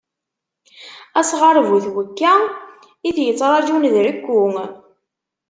Asɣar bu twekka, i t-ittṛaǧun d rekku.